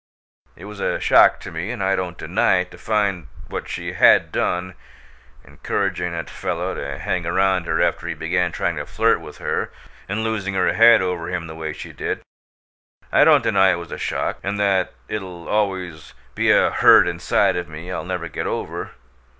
It was a shock to me, and I don't deny it, to find what she had done encouraging that fellow to hang around her after he began trying to flirt with her, and losing her head over him the way she did. I don't deny it was a shock and that it'll always be a hurt inside of me I'll never get over.